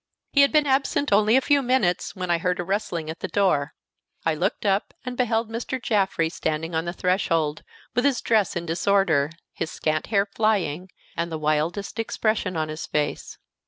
He had been absent only a few minutes when I heard a rustling at the door. I looked up, and beheld Mr. Jaffrey standing on the threshold, with his dress in disorder, his scant hair flying, and the wildest expression on his face.